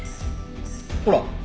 ほら！